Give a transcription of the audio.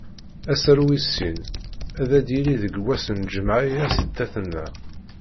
Asaru wis sin ad d-yili deg wass n lǧemɛa-ya sdat-neɣ.